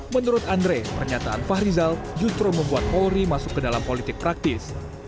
menurut andre pernyataan fahrizal justru membuat polri masuk ke dalam politik praktis